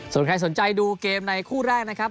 ส่วนใครสนใจดูเกมในคู่แรกนะครับ